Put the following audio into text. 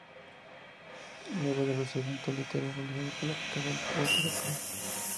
Luego en los eventos literarios realizados por la Casa del Poeta del Perú.